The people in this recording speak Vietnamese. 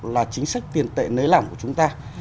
là chính sách tiền tệ nế lẳng của chúng ta